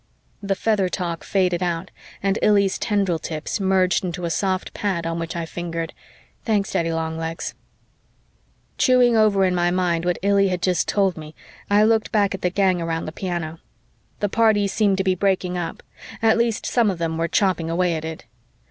The feather talk faded out and Illy's tendril tips merged into a soft pad on which I fingered, "Thanks, Daddy Longlegs." Chewing over in my mind what Illy had just told me, I looked back at the gang around the piano. The party seemed to be breaking up; at least some of them were chopping away at it.